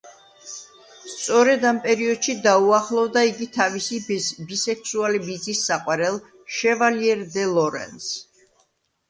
სწორედ ამ პერიოდში დაუახლოვდა იგი თავისი ბისექსუალი ბიძის საყვარელ შევალიერ დე ლორენს.